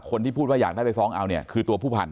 คนที่พูดว่าอยากได้ไปฟ้องเอาเนี่ยคือตัวผู้พันธ